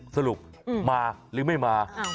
สรุปมาหรือไม่มา